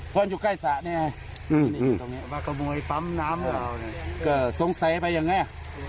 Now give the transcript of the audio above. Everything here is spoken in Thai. ก็สงสัยไปอย่างนี้